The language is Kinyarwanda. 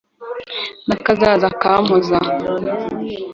na kazaza akampoza